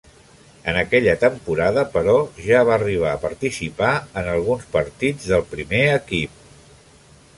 En aquella temporada, però, ja va arribar a participar en alguns partits del primer equip.